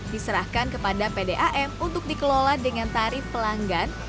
diserahkan kepada pdam untuk dikelola dengan tarif pelanggan